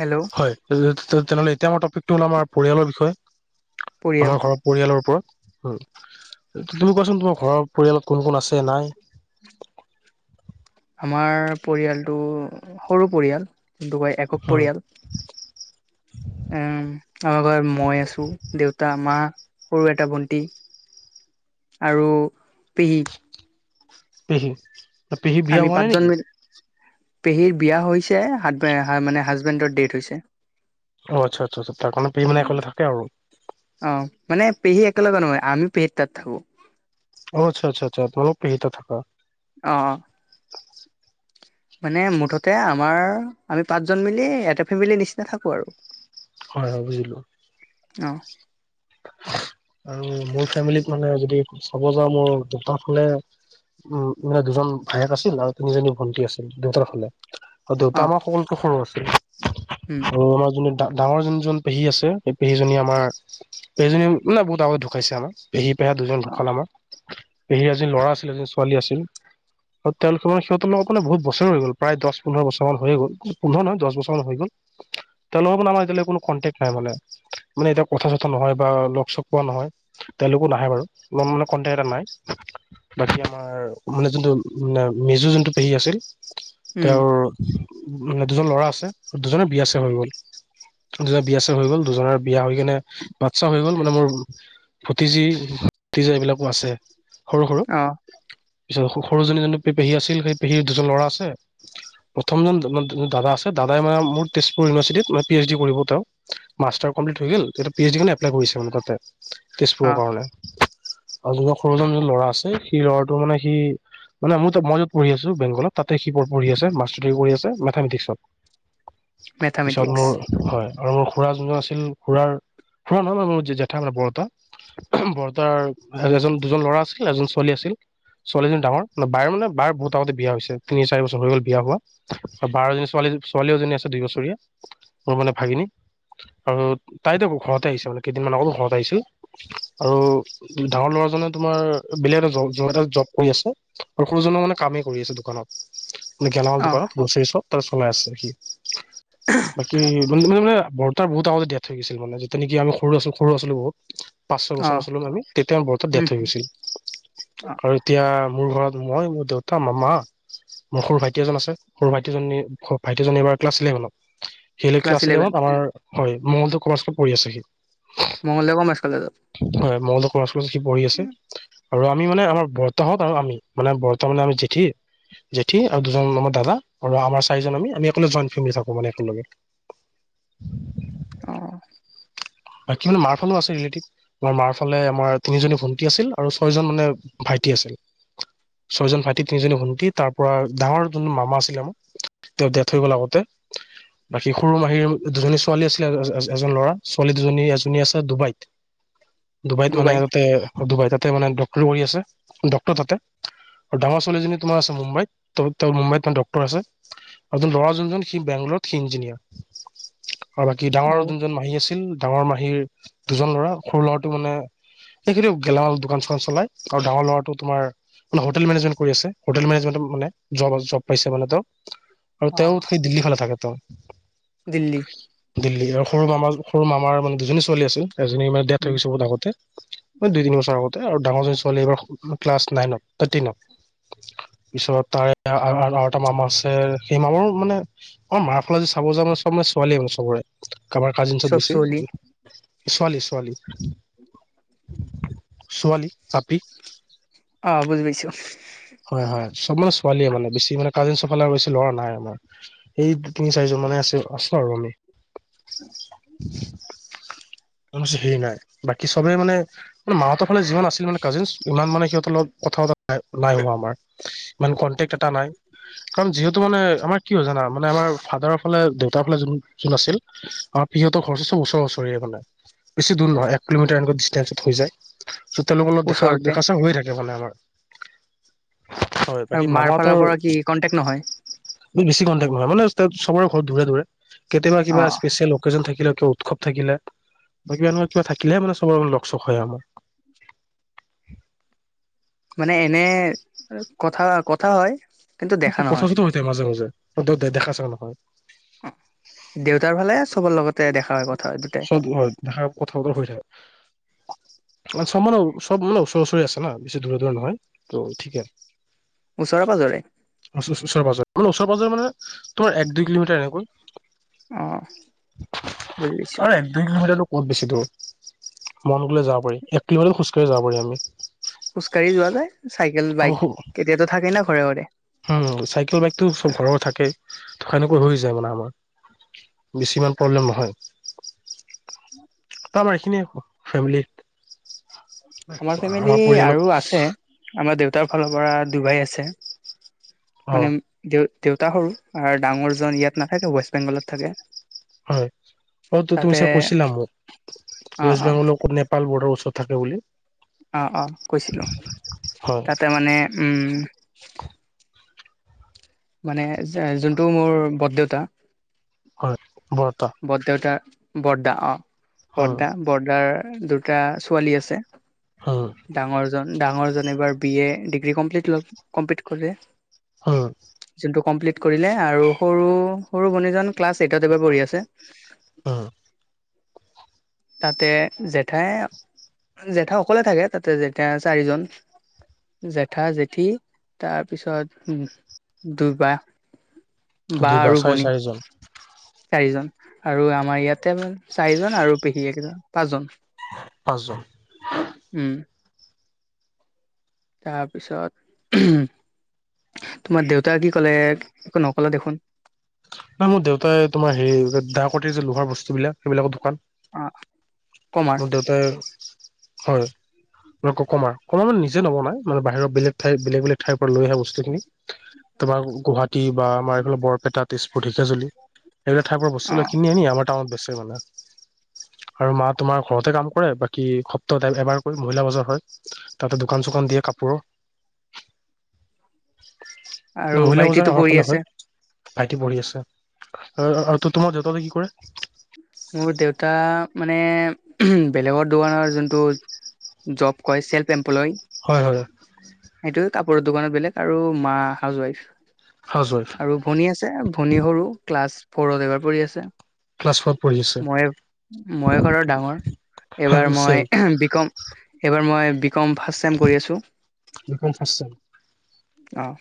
Hello হয় তেনে লৈতে আম পিক [unintelligible] ত আমাৰ পৰিয়ালৰ বিষয়ে পৰিয়াল আমাৰ ঘৰৰ পৰিয়ালৰ ওপৰত উ তুমি কোৱাচোন তোমাৰ ঘৰৰ পৰিয়ালত কোন কোন আছে নাই আমাৰ পৰিয়ালটো সৰু পৰিয়াল কয় একক উম পৰিয়াল, উম আমাৰ ঘৰত মই আছো দেউতা মা সৰু এটা ভণ্টী আৰু পেহী। পেহী পেহী বিয়া আমি হোৱা নাই পাঁচজন নেকি! মিল পেহীৰ বিয়া হৈছে হাত মানে হাজবেণ্ডৰ ডেথ হৈছে অ আচ্ছা আচ্ছা তাৰ কাৰণে পেহী মানে অকলে থাকে আৰু অ মানে পেহী একেলগে নহয় আমি পেহী তাত থাকো অ আচ্ছা আচ্ছা আচ্ছা তোমালোক পেহি তাত থাকা অ অঁ মানে মুঠতে আমাৰ আমি পাঁচজন মিলি এটা ফেমিলিৰ নিচিনা থাকো আৰু। হয় হয় বুজিলো। অ আৰু মোৰ ফেমিলিত মানে যদি চাব যাওঁ মোৰ দুটাৰ ফালে উ মানে দুজন ভায়েক আছিল আৰু তিনিজনী ভন্টি আছিল দেউতাৰ ফালে আৰু অ দেউতা আমাৰ সকলোতকৈ সৰু আছিল উম উ [unintelligible] অ মাজনে [unintelligible] ডাঙৰ যোনজন পেহী আছে সেই পেহীজনী আমাৰ এইজনী নাই বহুত আগত ঢুকাইছে আমাৰ পেহী পেহা দুজন অ ঢুকালে আমাৰ পেহী এজন ল'ৰা আছিল এজন ছোৱালী আছিল, আৰু তেওঁলোকে মানে সিহঁৰ লগক মানে বহুত বছৰে হৈ গল প্ৰায় দহ পোন্ধৰ বছৰ মান হৈয়ে গ'ল, পোন্ধৰ নহয় দহ বছৰ মান হৈ গ'ল, তেওঁলোকৰ মানে আমাৰ এতিয়ালৈ কোনো কন্টেক্ট নাই মানে মানে এতিয়া কথা চথা নহয় বা লগ ছগ পোৱা নহয়, তেওঁলোকো নাহে বাৰু অলপ মানে কন্টেক এটা নাই বাকী আমাৰ মানে যোনটো নিজৰ যোনটো পেহী আছিল উম তেওঁৰ মানে দুজন ল'ৰা আছে দুজনে বিয়া ছিয়া হৈ গল দুজনে বিয়া ছিয়া হৈ গল দুজনৰ বিয়া হৈ কেনে। বাচ্ছা হৈ গ'ল মানে মোৰ ভতিজী ভতিজা এইবিলাকো আছে সৰু সৰু অ পিছত সৰুজনী যোনটো পেহী আছিল সেই পেহীৰ দুজন ল'ৰা আছে প্ৰথমজন দাদা আছে দাদাই মানে মোৰ তেজপুৰ ইউনিভাৰ্চিটিত মানে পি এইচ ডি কৰিব তেওঁ মাষ্টাৰ কমপ্লিট হৈ গল পি এইচছি এপ্লাই কৰিছে মান তাতে অ তেজপুৰৰ কাৰণে আৰু য সৰুজন য ল'ৰা আছে সেই ল'ৰাটো মানে সি মানে মোৰ ত মই য'ত পঢ়ি আছো বেংগলত তাতে সি পঢ়ি আছে মাষ্টাৰ ডিগ্ৰী পঢ়ি আছে মেথমেটিক্ছত পিছত মেথামেটিক্স মোৰ হয় আৰু মোৰ খুুৰা যোনজন আছিল খুৰাৰ। খুৰা নহয় ম মোৰ জেঠা মানে বৰতা বৰতাৰ এজন দুজন ল'ৰা আছিল এজন ছোৱালী আছিল ছোৱালীজনী ডাঙৰ বাইৰ মানে বাৰ বহুত আগতে বিয়া হৈছে তিনি চাৰি বছৰ হৈ গ'ল বিয়া হোৱা আৰু বাৰ এজনী ছোৱালী ছোৱালী এজনী আছে দুই বছৰীয়া মোৰ মানে ভাগিনী আৰু তাইতো কও। ঘৰতে আহিছে মানে কেইদিনমান আগত ঘতে আহিছিল আৰু ডাঙৰ ল'ৰাজনে তোমাৰ বেলেগ এটা জ এ জব কৰি আছে আৰু সৰুজ মানে কামেই কৰি আছে দোকানত। আ গেলামাল অ দোকানত গ্ৰছৰী্চপ চলাই আছে সি বাকী বৰ্তাৰ বহু আগতে দিয়াই থই হৈ গছিল মানে তেনেকে আমি সৰু আছোঁ সৰু আছিলো বহু পাঁচ ছয় অ বছৰ আছিলোঁ আমি তেতিয়া বৰ তাত উম ডেথ হৈ গৈছিল অ আৰু এতিয়া। মোৰ ঘৰত মই মোৰ দেউতা মোৰ মা মোৰ সৰু ভাইটি এজন আছে সৰু ভাইটিজনী ভাইটি এজন এইবাৰ ক্লাছ ইলেভেনত। শিল ক্লাছ এলেভত আমাৰ হয় মঙলদৈ কমা পঢ়ি আছে সি মঙলদৈ কমাৰ্চ কলেজত মংগল পঢ়ি আছে আৰু আমি মানে আমাৰ বৰতাহঁত আৰু আমি মানে বৰত মানে আমি জেঠী জেঠী আৰু দুজন আমাৰ দাদা আৰু আমাৰ চাৰিজন আমি আমি জইন ফেমিলি থাকো মানে একেলগে। অ বাকী মোৰ মাৰ ফালে আছে ৰীলেটিভ আমাৰ মাৰ ফালে আমাৰ তিনিজনী ভন্টি আছিল আৰু ছয়জন মানে ভাইটি আছিল ছয়জন ভাইটি তিনিজনী ভন্টি তাৰ পৰা ডাঙৰ জন মামা আছিলে আমাৰ তেওঁৰ ডেথ হৈব লগতে বাকী সৰু মাহীৰ দুজনী ছোৱালী আছিলে। এজন ল'ৰা ছোৱালী দুজনী এজনী আছে ডুবাইত ডুবাইত মানে ডুবাই আগতে। ডুবাই তাতে মানে ডক্টৰী কৰি আছে ডক্তৰ তাতে আৰু ডাঙৰ ছোৱালীজনী তোমাৰ আছে মুম্বাইত তেওঁ মুম্বাইত তোমাৰ ড্টৰ আছে আৰু ত ল'ৰা যোনজন সি বেংগলৰত সি ইঞ্জিনিয়াৰ। আৰু বাকী ডাঙৰ অ জন মাহী আছিল ডাঙৰ মাহীৰ দুজন ল'ৰা সৰু ল'ৰাটো মানে এইখিন গেলামাল দোকান চোকান চলাই আৰু ডাঙৰ ল'ৰাটো তোমাৰ মানে হোটেল মেনেজমেন্ট কৰি আছে হোটেল মেনেজমেন্টত মানে জব জব পাইছে মানে তেওঁ আৰু অ তেওঁ সেই দিল্লী ফালে থাকে। ত দিল্লী দিল্লী আৰু সৰু মামা সৰু মামাৰ মানে দুজনী ছোৱালী আছিল। এজনী মানে ডেত উম হৈ আগতে দুই তিন বছৰ আগতে আৰু ডাঙৰ জনী ছোৱালী এইবাৰ ক্লাছ নাইনত টেনত পিছত তাৰে আৰু এটা মামা আছে সেই মামাৰ মানে আাৰ মাৰ ফালে যে চাব যা মানে চব মানে ছোৱালী মানে চবৰে কাৰোবাৰ কাজিনছত চব বেছি চলি [unintelligible] ছোৱালী ছোৱালী। ছোৱালী আপি অ বুজি পাইছো [unintelligible] হয় হয়। চব মানে ছোৱালীয়ে মানে বেছি মানে কাজিন চোফালে আৰু বেছি লৰা নাই আমাৰ সেই তিনি চাৰিজন মানে আছে আছ আৰু আমিছ হে নাই বাকী চবেই মানেে মাহতক [unintelligible] ে যিমান [unintelligible] আছিল মানে কাজিন ইমান মানে সিহঁতৰ লগত কথা পতা হয় [unintelligible] নাই হোৱা আমাৰ, ইমান কনটেক্ট এটা নাই। কাৰণ যিহেতু মানে আমাৰ। কি হয় জানা মানে আমাৰ ফাদাৰৰ ফালে দেউতাৰ ফালে যোন আছিল আমাৰ পিহঁতৰ ঘৰ চব ওচৰে ওচৰি মানে বেছ দৰ নহয় এক কিলোমিটাৰ এনেকুৱা ডিচটেন্স হৈ যায় [unintelligible] ত' তেওঁলোক অলপ দেখা ওচৰতে দেখা হৈ থাকে মানে আমাৰ [unintelligible] হয় বাকী আৰু মাৰ মামাহঁতৰ ফালাৰ পৰা কি কনটেক নহয়। বেছি কটেক্ নহয় মানে ত চবৰে ঘৰত দূৰে দূৰে [unintelligible] কেতিয় অ কিবা ইচপেচিয়েল লোকেজন থাকিব [unintelligible] থাকিলে কিবা উৎসৱ থাকিলে বা কিবা এনেকুৱা কিবা থাকিলেহে মানে চবৰে লচখ হয় আমাৰ [unintelligible] মানে এনে কথা কথা হয়। কিন্তু অ দেখা নহয় কথাটোতো হৈছে মাজে মাজে। দ দেখা চা নহয় [unintelligible] খ লগত। চব হয় দেখা কথা বতৰা হৈ থাকে। চব মানে চব মানে, ওচৰা ওচৰি আছে ন বেছি দূৰে দূৰে নহয় ত ঠিকেই। ওচৰে পাজৰে ওচৰ পাজৰে ম ওচৰে পাজৰে মানে। তোমাৰ এক দুই কিলোমিটাৰ হব। আহ। আৰু এক দুই কিলোমিটাৰ [unintelligible] বহুত বেছি দূৰ মন গ'লে যাব পাৰি এক কিলোমিটাৰ খোজ কাঢ়ি যাব পাৰি আমি [unintelligible] খোচ কাঢ়ি যোৱানে [unintelligible] চাইকেল বাইক কেতিয়াতো থাকে না ঘৰে ঘৰে। চাইকেল বাইকটো চব ঘৰৰ থাকেই সেনেকৈ হৈ যায় মানে আমাৰ বেছি ইমান প্ৰব্লেম নহয় [unintelligible] [inaudible] তাৰ এইখিনিয় ফেমিলিত [unintelligible] আমাৰ ফেমিলি আৰু আছে আমাৰ দেউতা [unintelligible] তাৰ ফালৰ পৰা ডুবাই আছে । মানে অ' দে - দেউতা সৰু, আৰু ডাঙৰজন ইয়াত নাথাকে, ৱেষ্ট বেংগলত থাকে । হয়, অ তো তুমি চাগে কৈছিলা মোক, অ', ৱেষ্ট অ', বেংগলৰ নেপাল বৰ্ডাৰ ওচৰত । থাকে বুলি। অ' অ' কৈছিলো। হয়, তাতে মানে উম মানে যোনটো মোৰ বৰ দেউতা হয়। বৰতা বৰদেউতা বৰ্দা অ'! উম, বৰ্দা বৰ্দাৰ দুটা ছোৱালী আছে। উম, ডাঙৰ জন ডাঙৰজন এবাৰ বি এ ডিগ্ৰী কম্প্লিত কৰিলে । উম, যোনটো কমপ্লিত কৰিলে, আৰু সৰু, সৰু ভনীজন ক্লাছ এইটত এইবাৰ পঢ়ি আছে। অ'! তাতে জেঠাই, জেঠাই অকলে থাকে, তাতে জেঠাই চাৰিজন। জেঠা জেঠী তাৰপিছত দুয়ো বা। দুই বা আৰু চাৰে ভনী চাৰিজন। চাৰিজন আৰু আমাৰ ইয়াতে, চাৰিজন আৰু পেহী এইকেইজন, পাঁচজন । পাঁচজন? তাৰপিছত, তোমাৰ দেউতাই কি ক'লে, একো নক'লে দেখোন? ন মোৰ দেউতাই, ‌ তোমাৰ হেই, দা কটাৰি যে লোহাৰ বস্তু বিলাক, সেইবিলাকৰ দোকান অ কমাৰ। মোৰ দেউতাই হয় কমাৰ। কমাৰ মানে নিজে নবনাই, মানে বাহিৰৰ বেলেগ ঠাই, বেলেগ বেলেগ ঠাইৰ পৰা লৈ আহে বস্তুখিনি। তোমাৰ গুৱাহাটী বা আমাৰ এইফালে বৰপেটাত তেজপুৰ, ঢেঁকীয়াজুলি, এইবিলাক ঠাইৰ পৰা অ বস্তুবিলাক কিনি আনি আমাৰ টাউনত বেছে মানে। আৰু মা তোমাৰ ঘৰতে কাম কৰে, বাকী সপ্তাই এবাৰ কৈ মহিলা বজাৰ হয়, তাতে দোকান চোকান দিয়ে কাপোৰৰ । আৰু ভাইটিতো পঢ়ি আছে? ভাইটি পঢ়ি আছে। আৰু তোমাৰ দেউতাৰায়ে কি কৰে? মোৰ দেউতা মানে, বেলেগৰ দোকানৰ যোনটো জব কয়, চেইলচমেন এম্পলয় হয় হয় সেইটো। কাপোৰৰ দোকানত বেলেগ, আৰু মা হাউচ ৱাইফ। হাউচ ৱাইফ আৰু ভনী আছে, ভনী সৰু ক্লাছ ফৌৰত এইবাৰ পঢ়ি আছে। ক্লাছ ফ'ৰত পঢ়ি আছে মই, ময়ে ঘৰৰ ডাঙৰ, এইবাৰ মই ছেম বিকম, এইবাৰ মই বি ক'ম ফাৰ্ষ্ট ছেম কৰি আছোঁ। বি কম ফাৰ্ষ্ট ছেম আহ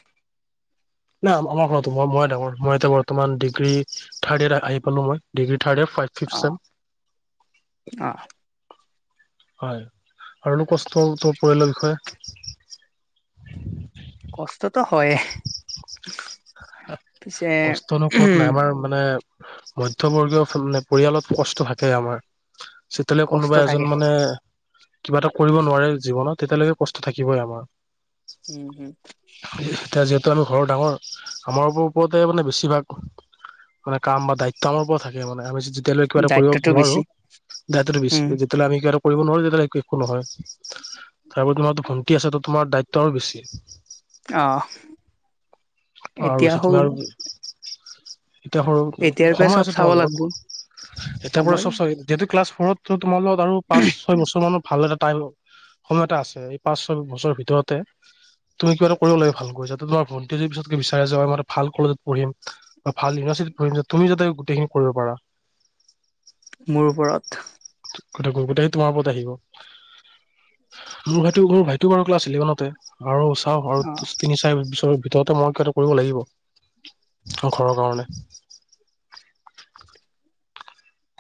নাই আমাৰ ঘৰত মই ডাঙৰ মই এতিয়া বৰ্তমান ডিগ্ৰী থ্ডয় আহি পালো মই। Third five fifteen. অ অ হয় আৰুনো কষ্টটো পৰিলে বিষয়ে। কষ্টতো হয়। কষ্টনো ক'ত নাই আমাৰ মানে মধ্যবৰ্গীয় মানে পৰিয়ালত কষ্ট থাকে আমাৰ। চতিয়ালৈ কষ্ট কোনোবা থাকে। এজন মানে কিবা এটা কৰিব নোৱাৰে জীৱনত তেতিয়ালৈকে কষ্ট থাকিবই আমাৰ। উম উম। এতিয়া যিহেতু আমি ঘৰৰ ডাঙৰ। আমাৰ ওপৰতে মানে বেছিভাগ মানে কাম বা দায়িত্ব আম ওপৰত থাকে মানে আমি যেতিয়ালৈলে কিবা এটা কৰিব দায়িত্বটো নোৱাৰো বেছি দায়িত্বতো বেছি উম যেতিয়ালৈলে আমি কিব এটা কৰিব নোৱাৰো তেতিয়াহলে। একো নহয় তাৰপৰি তোমাৰো ভণ্টি আছে তো তোমাৰ দায়িত্ব আৰু বেছি। অ আৰু এতিয়া তুমি সৰু আৰু এতিয়া সৰু এতিয়াৰ পৰা সময় চব আছে চাব তোমাৰ লাগব। লগত এতিয় পৰা সময় চব চ যিহেতু ক্লাছ। ঘৰত তোমাৰ লগত আৰু পাঁচ ছয় বছৰ মানৰ ভাল এটা টাইম সময় এটা আছে এই পাঁচ ছয় বছৰৰ ভিতৰতে তুমি কিবা এটা কৰিব লাগে ভালকৈ যাতে তোমাৰ ফোন। পিছতকে বিচাৰে যে মই ভাল কলেজত পঢ়িম বা ভাল ইউনিভাৰ্চিটিত পঢ়িম যে তুমি যাতে গোটেইখিনি কৰিব পাৰা। মোৰ ওপৰত। গ গোটাহি তোমাৰ ওপৰত আহিব মোৰ ভাই মোৰ ভাইটিও বাৰু ক্লাছ ইলেভেনতে আৰু অ আৰু তিনি চাৰি পছিত। অ [unintelligible] তিহঁতে মই কিয়টো কৰিব লাগিব। ঘৰৰ কাৰণে।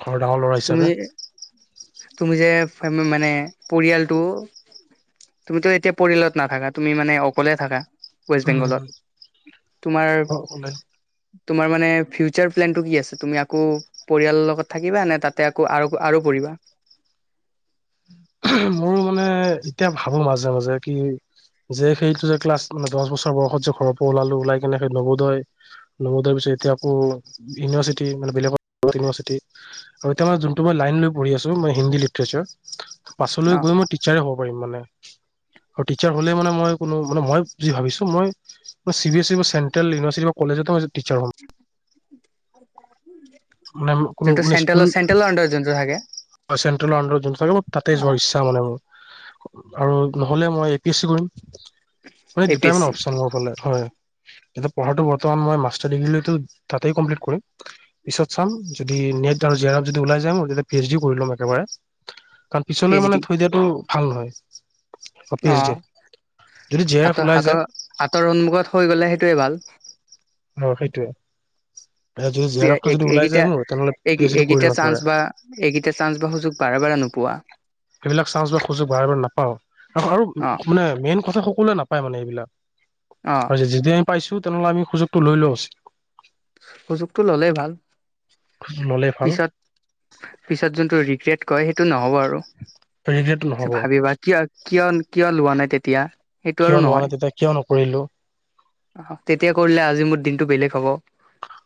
ঘৰ ডাঙৰ ল'ৰা তুমি হিচাপে। তুমি যে মানে পৰিয়ালটো তুমিতো এতিয়া পৰিয়ালত নাথাকা তুমি মানে অকলে থাকা। ৱেষ্ট বেংগলত তোমাৰ তোমাৰ মানে ফিউচাৰ প্লেন টো কি আছে তুমি আকৌ পৰিয়ালৰ লগত থাকিবা নে তাত তাতে আকৌ আৰু আৰু পঢ়িবা। মোৰ মানে এতিয়া ভাবো মাজে মাজে কি যে সেইটো যে ক্লাছ মানে দহ বছৰ বয়সত যে ঘৰৰ পৰা ওলালো ওলাই কিনে সেই নৱোদয় নৱোদয়ৰ পিছত এতিয়া আকৌ ইউনিভাৰ্চিটি মানে বেলেগ ইউভাৰ্চিটি আৰু এতিয়া মানে যোনটো মই লাইন লৈ পঢ়ি আছো ম হিন্দী লিটচাৰ। পাছলৈ অ গৈ মই টিচাৰে হ'ব পাৰিম মানে। আৰু টিচাৰ হ'লে মানে মই কোনো মান মই ভাবিছো মই চি বি এছ ই বা চেন্ট্ৰেল ইভাৰ্চিটি বা কলেজত। টিচাৰ হম। মানে কোনো যোনটো মানে স্কুল, চেন্ট্ৰেলৰ চেন্ট্ৰেলৰ আণ্ডাৰত যোনটো থাকে চেন্ট্ৰেল আাৰ যোন থাকে ম তাতে অ যোৱাৰ ইচ্ছা মানে মোৰ। আৰু নহলে মই এ পি এছ চি কৰিম। মানে এ পি দুটা এছ মান চি অপচন লব পালে হয় এতিয়া পঢ়াটো বৰ্তমান মই মাষ্টাৰ ডিগ্ৰীলৈতো তাতে কমপ্লিট কৰিম। পিছত চাম যদি নেট আৰু জে আৰ এফ যদি ওলাই যায় তে পি এইচ ডিও কৰি লম একেবাৰে। কাৰণ পি পিছলৈ এইচ ডি মানে থৈ দিয়াটো ভাল হয়। অ জে আৰ এফ হাতৰ, ওলাই যায় হাতৰ, হাতৰ উন্মুখত হৈ গলে সেইটোৱে ভাল। অ সেইটোৱে। যদি জে আৰ এফটো যদি ওলাই যায় এইগেইটা মোৰ তেনেহ'লে পি এইচ ডি কৰি এইগেইটা, লম চান্স একেবাৰে বা এইগেইটা চান্স বা সুযোগ বাৰ বাৰ নোপো পোৱা। সেইবিলাক চাঞ্চ বা সুযোগ ব ব নাপাওঁ, আৰু আৰু অ মানে মেইন কথা সকলোৱে নাপায় মানে এইবিলাক। অ যেতি- যেতিয়া আমি পাইছো তেনেহ'লে আমি সুযোগটো লৈ লৈও উচিত। সুযোগটো ললে ভাল। ল'লে ভাল পিছত, পিছত যোনটো ৰি ৰেট হয় সেইটো নহ'ব আৰু। ৰিগ্ৰেট নহ'ব ভাবিবা কিয় কিয় কিয়, লোৱা নাই। তেতিয়া সেইটো কিয় আৰু লোৱা নহয় নাই, তেতিয়া কিয় নকৰিলো অ তেতিয়া কৰিলে আজি মোৰ দিনটো বেলেগ হব।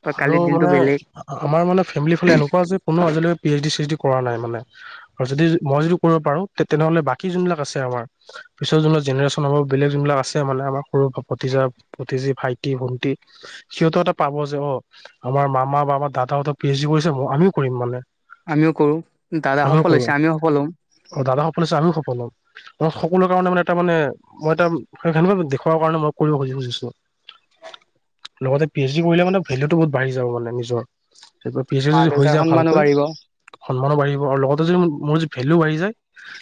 বা আৰু কালিৰ দিনটো মানে, বেলেগ আমাৰ মানে ফেমিলি ফালে এনেকুৱা যে কোনো আজিলৈ P H D, C H D কৰা নাই মানে। আৰু যদি মই যদি কৰিব পাৰো তেনেহলে বাকী যোনবিলাক আছে আমাৰ পিছৰ যোনটো জেনেৰেচন হব বেলেগ যোনবিলাক আছে মানে আমাৰ সৰু ভতিজা- ভতিজী, ভাইটি-ভণ্টি সিহঁতেও এটা পাব। যে অ, আমাৰ মামা বা আমাৰ দাদাহতে পি এইচ ডি কৰিছে আমিও কৰিম মানে। আমিও কৰো, দাদা আমিও সফল কৰো হৈছে আমিও সফল হম। ম সকলোৰে কাৰণে মানে এটা মা, নে মই এটা সেই দেখুৱাৰ কাৰণে মই কৰিব খজ খুজিছো। লগতে পি এইচ ডি কৰিলে মানে ভেলুটো বহুত বাঢ়ি যাব মানে নিজৰ। তাৰ পি এইচ ডি- চি মা এইচ ডি যদি দেউতাৰ যাওক সন্মানো ভালকৈ, বাঢ়িব সন্মানো বাঢ়িব আৰু লগত য মোৰ যদি ভেলো বাঢ়ি যায়,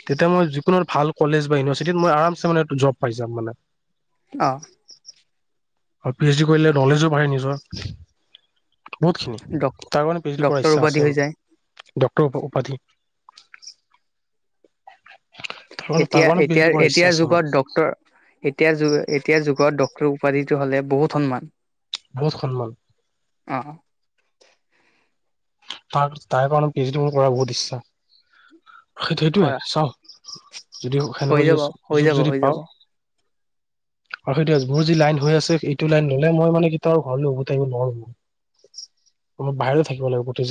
তেতিয়া মই যিকোনো ভাল কলেজ বা ইউনিভাৰ্চিটিত মই আৰাম মে জব পাই যাম মানে। অ আৰু পি এইচ ডি কৰিলে নলেজো বাঢ়ে নিজৰ। বহুতখিনি, তাৰ কাৰণে পি এইচ ডি কৰাৰ ডক্তৰ ইচ্ছা উপাধি আছে হৈ যায় মোৰ। ডক্টৰ উপাধি। তাৰ কাৰণে এতিয়া তাৰ কাৰণে পি এইচ এতিয়া ডি কৰাৰ ইচ্ছা এতিয়াৰ আছে মোৰ যুগত ডক্টৰ, এতিয়া এতিয়া যুগত ডক্টৰ উপাধিটো হ'লে বহুত সন্মান। বহুত সন্মান। অ। ত তাৰ কাৰণ পি এইচ ডি মোৰ কৰাৰ বহুত ইচ্ছা। সেইটো সেইটোয়ে কৰা চাও যদি হৈ সেনেকোৱা যদি যাব হৈ সুযোগ যাব যদি হৈ যাব। পাওঁ আৰু সেইটো মোৰ যি লাইন হৈ আছে এইটো লাইন ললে মই মানে কেতিয়া ঘৰ উভত আহিব নোৱাৰো বাহিৰ থাকিব লাগিব প্ৰতি